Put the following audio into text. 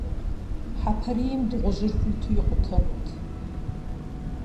Хьэпарийм дыгъужьыр хуиту икъутэнут.